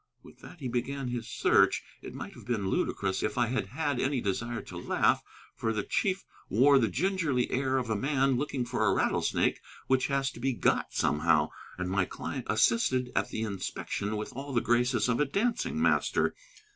With that he began his search. It might have been ludicrous if I had had any desire to laugh, for the chief wore the gingerly air of a man looking for a rattlesnake which has to be got somehow. And my client assisted at the inspection with all the graces of a dancing master.